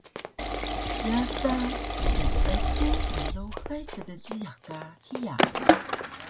yaasa knteetu smluhay kdjiyax ka hiya